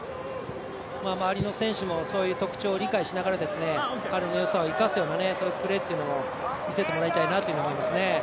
周りの選手もそういう特徴を理解しながら彼のよさを生かすようなプレーを見せてもらいたいと思いますね。